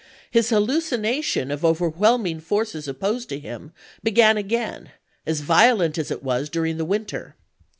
His halluci nation of overwhelming forces opposed to him began again, as violent as it was during the winter.